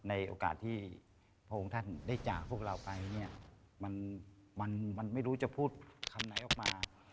ในโอกาสที่พระองค์ท่านได้จากพวกเราไปเนี่ยมันไม่รู้จะพูดคำไหนออกมา